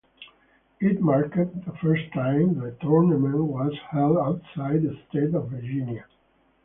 It marked the first time the tournament was held outside the state of Virginia.